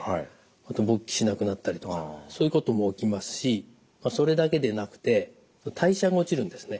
あと勃起しなくなったりとかそういうことも起きますしそれだけでなくて代謝が落ちるんですね。